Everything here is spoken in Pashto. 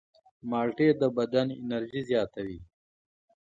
مالټې د بدن انرژي زیاتوي.